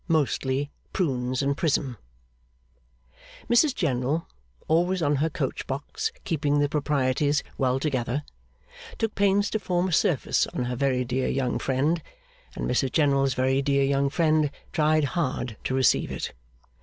Mostly, Prunes and Prism Mrs General, always on her coach box keeping the proprieties well together, took pains to form a surface on her very dear young friend, and Mrs General's very dear young friend tried hard to receive it.